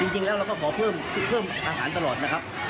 จริงแล้วเราก็ขอเพิ่มอาหารตลอดนะครับ